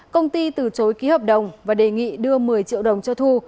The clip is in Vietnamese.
công ty từ chối ký hợp đồng và đề nghị đưa một mươi triệu đồng cho thu